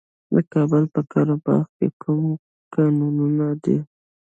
د کابل په قره باغ کې کوم کانونه دي؟